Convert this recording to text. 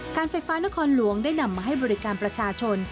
การไฟฟ้านครหลวงได้นำมาให้บริการประชาชน